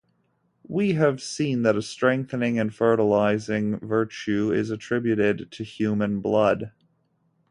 We have seen that a strengthening and fertilizing virtue is attributed to human blood.